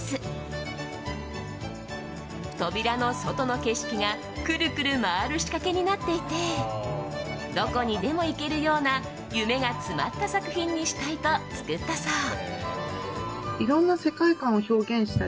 扉の外の景色がくるくる回る仕掛けになっていてどこにでも行けるような夢が詰まった作品にしたいと作ったそう。